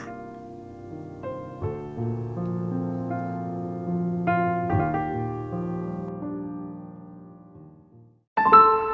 untuk yang tercinta